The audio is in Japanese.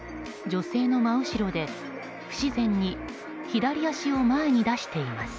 女性の真後ろで不自然に左足を前に出しています。